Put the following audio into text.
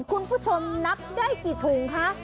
คุณผู้ชมนับได้กี่ถุงคะ